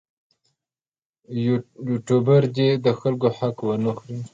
یوټوبر دې د خلکو حق ونه خوري.